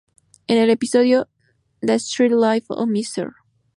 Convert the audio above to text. En el episodio "The Secret Life of Mr.